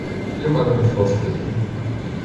Hier mal eine Faustregel.